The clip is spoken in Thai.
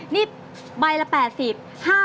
นี่ใบละ๘๐